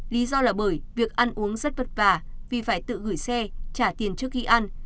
lý do là bởi việc ăn uống rất vất vả vì phải tự gửi xe trả tiền trước khi ăn